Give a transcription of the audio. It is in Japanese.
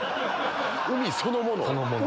海そのもの？